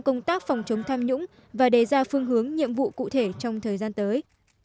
công tác phòng chống tham nhũng và đề ra phương hướng nhiệm vụ cụ thể trong thời gian tới